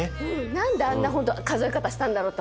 なんであんな数え方したんだろうって